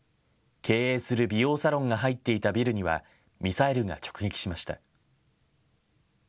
経営する美容サロンが入っていたビルには、ミサイルが直撃しました。